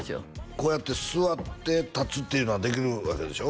こうやって座って立つっていうのはできるわけでしょ？